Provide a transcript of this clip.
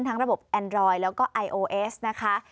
ระบบแอนดรอยแล้วก็ไอโอเอสนะคะ